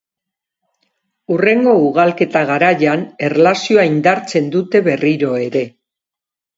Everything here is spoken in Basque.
Hurrengo ugalketa garaian erlazioa indartzen dute berriro ere.